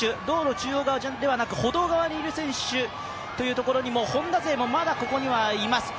中央側ではなく歩道側にいる選手にもＨｏｎｄａ勢もまだここにはいます。